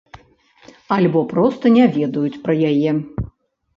Альбо проста не ведаюць пра яе.